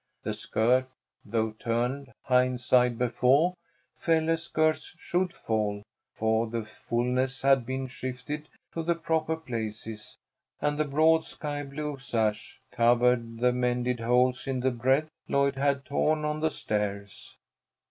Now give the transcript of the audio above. The skirt, though turned "hine side befo'," fell as skirts should fall, for the fulness had been shifted to the proper places, and the broad sky blue sash covered the mended holes in the breadth Lloyd had torn on the stairs.